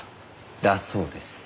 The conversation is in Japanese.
だそうです。